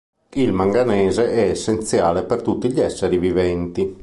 Il manganese è essenziale per tutti gli esseri viventi.